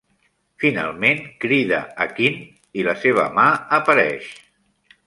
Finalment crida a Quint, i la seva mà apareix.